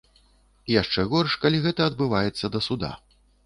Яшчэ горш, калі гэта адбываецца да суда.